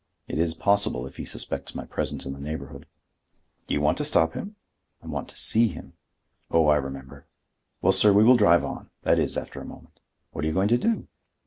"It is possible if he suspects my presence in the neighborhood." "Do you want to stop him?" "I want to see him." "Oh, I remember. Well, sir, we will drive on,—that is, after a moment." "What are you going to do?"